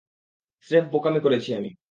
স্রেফ বোকামি করেছি আমি!